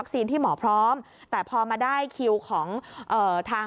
ของหมอพร้อมแต่ไม่ทัน